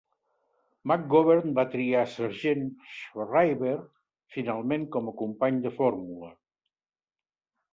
McGovern va triar Sargent Shriver finalment com a company de fórmula.